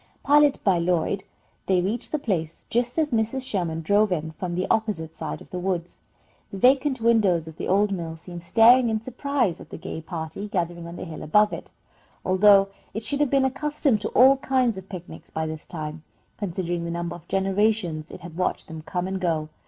Piloted by Lloyd, they reached the place just as Mrs. Sherman drove in from the opposite side of the woods. The vacant windows of the old mill seemed staring in surprise at the gay party gathering on the hill above it, although it should have been accustomed to all kinds of picnics by this time, considering the number of generations it had watched them come and go.